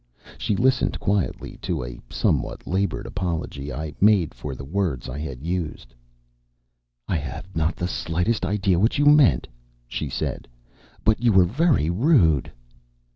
She listened quietly to a somewhat labored apology I made for the words I had used. "I have not the slightest idea what you meant," she said, "but you were very rude."